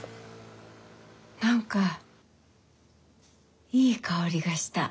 何かいい香りがした。